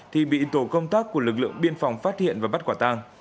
thì bị tổ công tác của lực lượng biên phòng phát hiện và bắt quả tàng